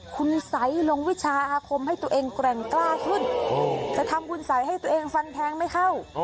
คุณสัยลงวิชาอาคมให้ตัวเองแกร่งกล้าขึ้นจะทำคุณสัยให้ตัวเองฟันแทงไม่เข้า